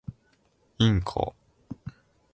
インコ